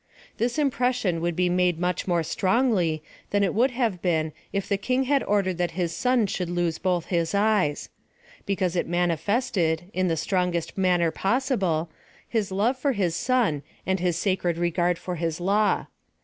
This impression would be made much more strongly, than it would have been if the kin^: had ordered that his son should lose both his eyes : because it manifested, in the strongest maiuier possible, his love for his son, and his sacred rejrard for his law.